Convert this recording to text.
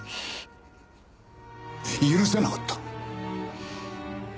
許せなかった。